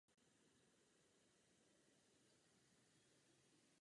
Objevuje na loukách s vysokou trávou nebo na okrajích lesů.